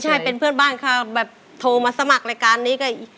ใช่เป็นเพื่อนบ้านเขาแบบโทรมาสมัครรายการนี้ก็อีก